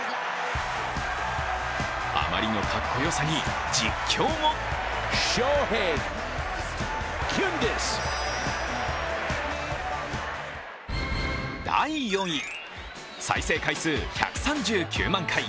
あまりのかっこよさに実況も第４位、再生回数１３９万回。